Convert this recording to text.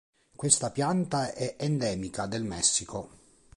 Questa pianta è endemica del Messico.